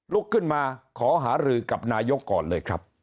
ลุกขึ้นมาขอหารือกับนายกก่อนเลยครับ